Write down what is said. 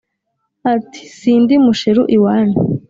ati sindi musheru iwanyu